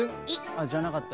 あじゃなかった。